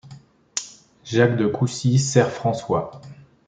Jacques de Coucy sert François.